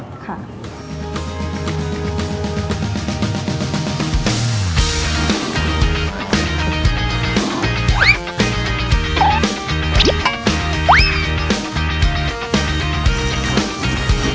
ค่ะ